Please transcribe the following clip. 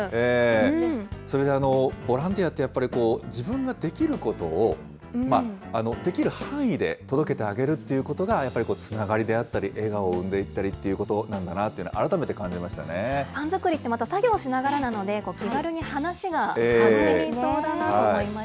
それでボランティアってやっぱり、自分ができることを、できる範囲で届けてあげるということがやっぱりつながりであったり、笑顔を生んでいったりっていうことなんだなって、改めて感じましパン作りって、また作業しながらなので、気軽に話が弾みそうだなと思いました。